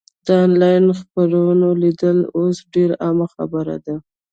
د انلاین خپرونو لیدل اوس ډېره عامه خبره ده.